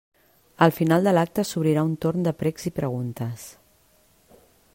Al final de l'acte s'obrirà un torn de precs i preguntes.